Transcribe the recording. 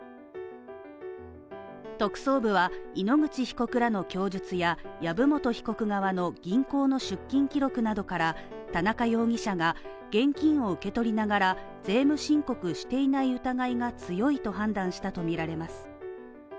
特捜部は井ノ口被告らの供述や籔本被告側の銀行の出金記録などから田中容疑者が現金を受け取りながら、税務申告していない疑いが強いと判断したとみられます。